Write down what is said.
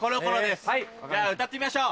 じゃあ歌ってみましょう！